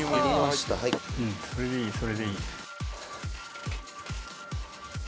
「それでいいそれでいい」